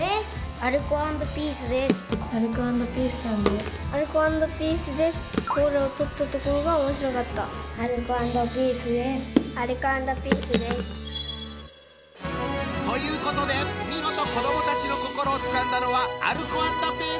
アルコ＆ピースです。ということで見事子どもたちの心をつかんだのはアルコ＆ピース！おめでとうございます！